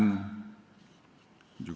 juga bapak hairul tanjung